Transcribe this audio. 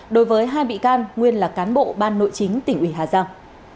đối với hai bị can nguyên là cán bộ ban nội chính tỉnh ủy hà giang